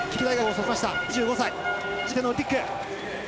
初めてのオリンピック。